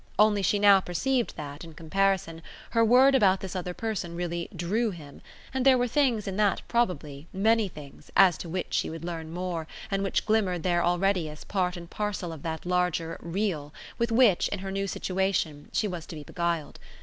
Only she now perceived that, in comparison, her word about this other person really "drew" him; and there were things in that probably, many things, as to which she would learn more and which glimmered there already as part and parcel of that larger "real" with which, in her new situation, she was to be beguiled.